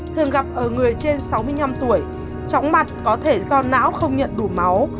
thường gặp ở người trên sáu mươi năm tuổi chóng mặt có thể do não không nhận đủ máu